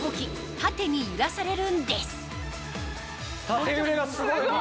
縦揺れがすごいわ。